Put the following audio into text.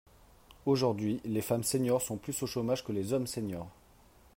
Aujourd’hui, les femmes seniors sont plus au chômage que les hommes seniors.